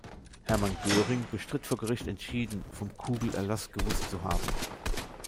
Hermann Göring bestritt vor Gericht entschieden, vom Kugel-Erlass gewusst zu haben.